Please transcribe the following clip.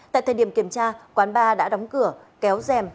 tại thời điểm kiểm tra quán bar đã đóng cửa kéo rèm